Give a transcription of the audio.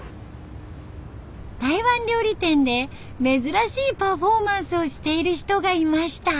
台湾料理店で珍しいパフォーマンスをしている人がいました。